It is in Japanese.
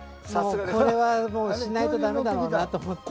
それはしないとだめだろうなと思って。